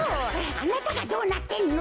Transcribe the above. あなたがどうなってんの。